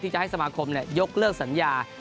จะให้สมาคมยกเลิกสัญญา